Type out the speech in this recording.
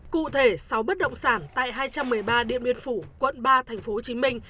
cụ thể sáu bất động sản tại hai trăm một mươi ba điện biên phủ quận ba tp hcm